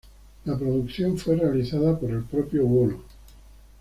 La producción fue realizada por el propio Uoho.